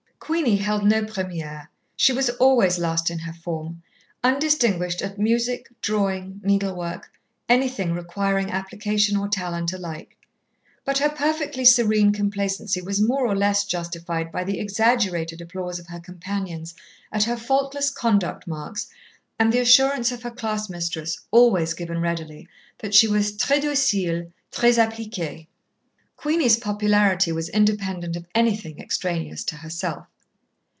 Queenie held no première. She was always last in her form, undistinguished at music, drawing, needlework, anything requiring application or talent alike. But her perfectly serene complacency was more or less justified by the exaggerated applause of her companions at her faultless "conduct" marks and the assurance of her class mistress, always given readily, that she was "très docile, très appliquée." Queenie's popularity was independent of anything extraneous to herself.